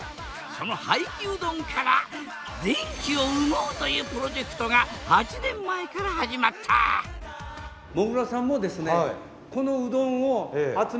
その廃棄うどんから電気を生もうというプロジェクトが８年前から始まった僕もできるんですか？